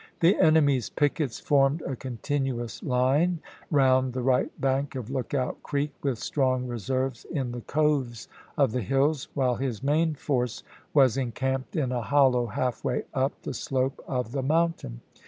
The enemy's pickets formed a continuous line round the right bank of Lookout Creek, with strong reserves in the coves Repon.' of the hills, while his main force was encamped in ^xxxl?^" a hollow half way up the slope of the mountain.